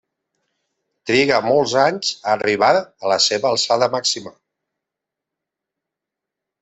Triga molts anys a arribar a la seva alçada màxima.